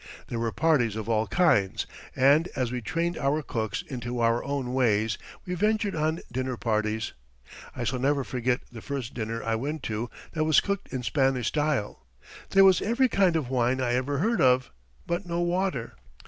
There were parties of all kinds, and as we trained our cooks into our own ways we ventured on dinner parties. I shall never forget the first dinner I went to that was cooked in Spanish style. There was every kind of wine I ever heard of, but no water.